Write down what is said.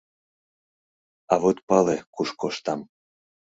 — А вот пале, куш коштам...